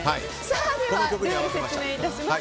では、説明いたします。